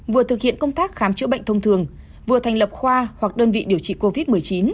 vừa thực hiện công tác khám chữa bệnh thông thường vừa thành lập khoa hoặc đơn vị điều trị covid một mươi chín